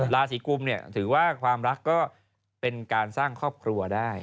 ราศีกุมเนี่ยถือว่าความรักก็เป็นการสร้างครอบครัวได้